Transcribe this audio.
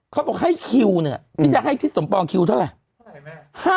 เขาบอกให้คิวเนี่ยพี่จะให้ที่สมปรองคิวเท่าไรเท่าไหร่ไหม